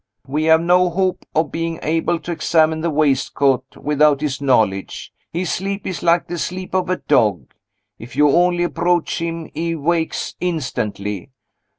We have no hope of being able to examine the waistcoat without his knowledge. His sleep is like the sleep of a dog; if you only approach him, he wakes instantly.